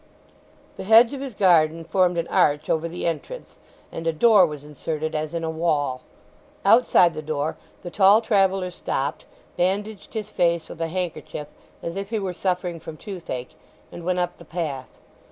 The hedge of his garden formed an arch over the entrance, and a door was inserted as in a wall. Outside the door the tall traveller stopped, bandaged his face with a handkerchief as if he were suffering from toothache, and went up the path.